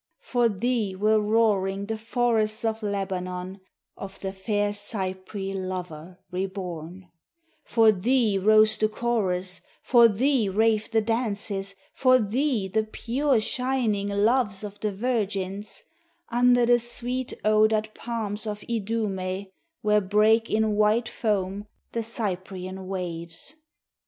For thee were roaring the Forests of Lebanon, Of the fair Cypri Lover re born; For thee rose the chorus, For thee raved the dances, For thee the pure shining Loves of the virgins, Under the sweet odored Palms of Idume, Where break in white foam The Cyprian waves.